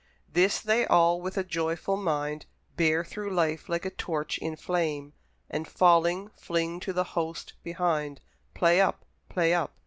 This they all with a joyful mind Bear through life like a torch in flame, And falling, fling to the host behind "Play up! play up!